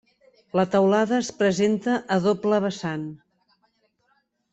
La teulada es presenta a doble vessant.